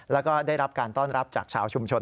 แล้วก็ได้รับการต้อนรับจากชาวชุมชน